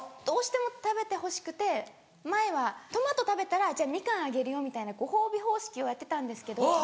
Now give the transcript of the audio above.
どうしても食べてほしくて前は「トマト食べたらじゃあミカンあげるよ」みたいなご褒美方式をやってたんですけど。